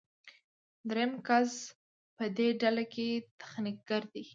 دریم کس په دې ډله کې تخنیکګر دی.